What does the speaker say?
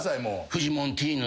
フジモンティーヌ？